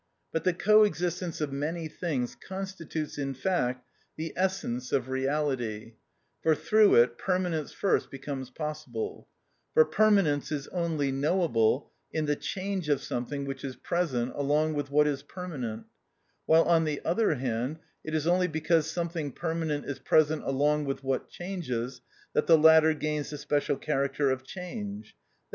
But the co existence of many things constitutes, in fact, the essence of reality, for through it permanence first becomes possible; for permanence is only knowable in the change of something which is present along with what is permanent, while on the other hand it is only because something permanent is present along with what changes, that the latter gains the special character of change, _i.